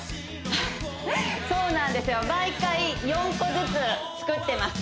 そうなんですよ毎回４個ずつ作ってます